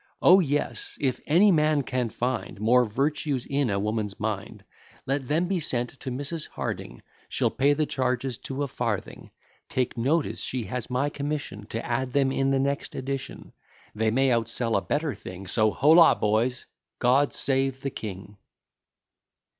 O yes! if any man can find More virtues in a woman's mind, Let them be sent to Mrs. Harding; She'll pay the charges to a farthing; Take notice, she has my commission To add them in the next edition; They may outsell a better thing: So, holla, boys; God save the King!